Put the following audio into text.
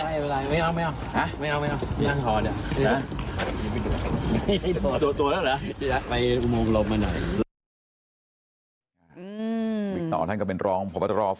อะไรไปกับของตอนเก้าก็ได้แล้ว